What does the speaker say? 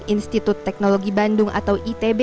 institut teknologi bandung atau itb